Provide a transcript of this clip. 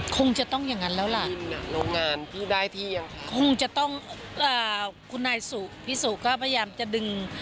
คงจะต้องอย่างงั้นแล้วล่ะก็คงจะต้องอ่านมากกุ้นนายสุพี่สุก็พยับจ้ะดึง